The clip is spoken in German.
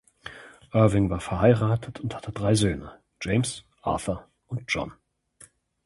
Irving war verheiratet und hatte drei Söhne James, Arthur und John.